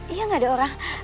iya gak ada orang